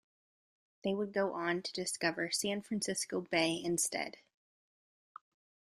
They would go on to discover San Francisco Bay instead.